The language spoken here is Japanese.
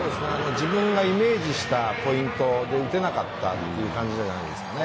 自分がイメージしたポイントで打てなかったという感じじゃないですかね。